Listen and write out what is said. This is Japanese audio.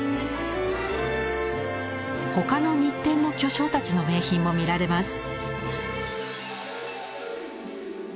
他の日展の巨匠たちの名品も見られます。